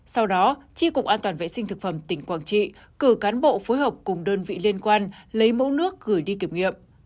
sau đó tri cục an toàn vệ sinh thực phẩm tỉnh quảng trị cử cán bộ phối hợp cùng đơn vị liên quan lấy mẫu nước gửi đi kiểm nghiệm